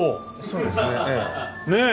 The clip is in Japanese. そうですねええ。